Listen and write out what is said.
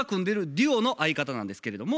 デュオの相方なんですけれども。